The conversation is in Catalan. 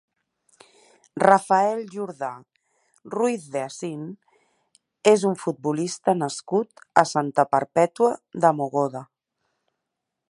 Rafael Jordà Ruiz de Asín és un futbolista nascut a Santa Perpètua de Mogoda.